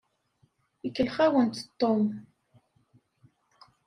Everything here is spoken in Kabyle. Ikellex-awent Tom.